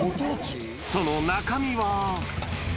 その中身は？